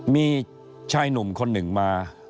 มีชายหนุ่มคนหนึ่งมา